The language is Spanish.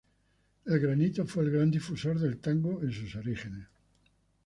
El organito fue el gran difusor del tango en sus orígenes.